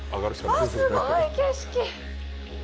すごい景色！